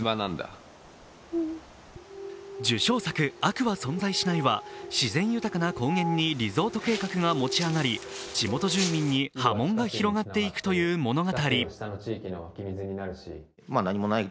受賞作「悪は存在しない」は自然豊かな高原にリゾート計画が持ち上がり、地元住民に波紋が広がっていくという物語。